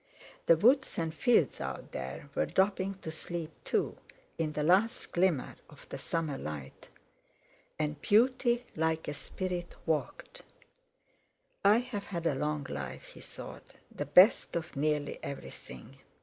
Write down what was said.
The woods and fields out there were dropping to sleep too, in the last glimmer of the summer light. And beauty, like a spirit, walked. "I've had a long life," he thought, "the best of nearly everything.